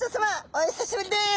お久しぶりです。